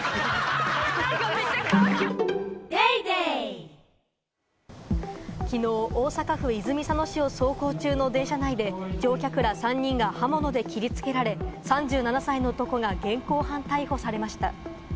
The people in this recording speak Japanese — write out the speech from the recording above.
製法が夏のカラダを爽やかに満たす夏「生茶」きのう、大阪府泉佐野市を走行中の電車内で乗客ら３人が刃物で切りつけられ、３７歳の男が現行犯逮捕されました。